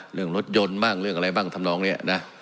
เรื่องรถยนต์บ้างเรื่องอะไรบ้างทำนองนี้นะ